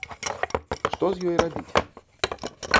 Што з ёй рабіць?